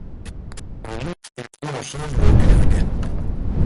En août, il prend en charge le Erg.